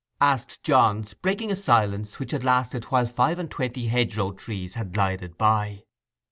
asked Johns, breaking a silence which had lasted while five and twenty hedgerow trees had glided by.